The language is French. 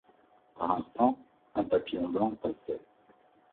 Par instants, un papillon blanc passait.